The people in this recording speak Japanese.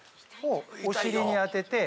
お尻に当てて。